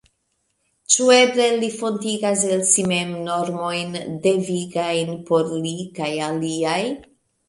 Ĉu eble li fontigas el si mem normojn devigajn por li kaj aliaj?